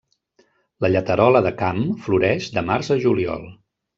La lleterola de camp floreix de març a juliol.